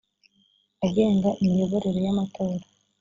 agenga imiyoborere y amatora